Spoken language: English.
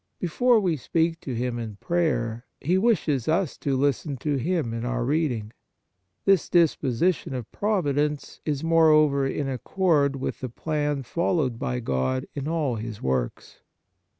Before we speak to Him in prayer, He wishes us to listen to Him in our reading. This disposition of Providence is, moreover, in accord with the plan followed by God in all His works.